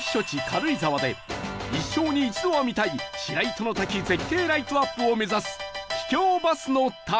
軽井沢で一生に一度は見たい白糸の滝絶景ライトアップを目指す秘境バスの旅